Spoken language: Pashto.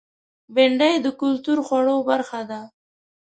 بېنډۍ د کلتور خوړو برخه ده